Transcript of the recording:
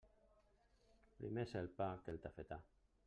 Primer és el pa que el tafetà.